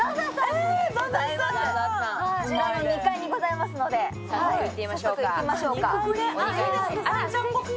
こちらの２階にございますので早速行ってみましょうか。